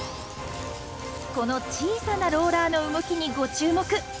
この小さなローラーの動きにご注目！